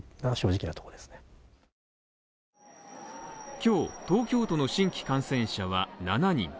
今日東京都の新規感染者は７人。